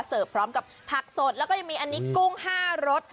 พร้อมกับผักสดแล้วก็ยังมีอันนี้กุ้ง๕รส